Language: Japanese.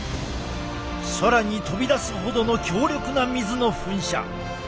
空に飛び出すほどの強力な水の噴射。